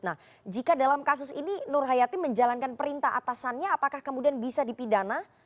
nah jika dalam kasus ini nur hayati menjalankan perintah atasannya apakah kemudian bisa dipidana